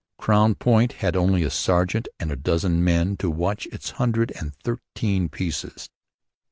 Crown Point had only a sergeant and a dozen men to watch its hundred and thirteen pieces.